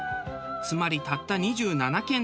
つまりたった２７軒です。